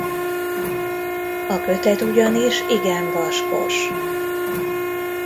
A kötet ugyanis igen vaskos.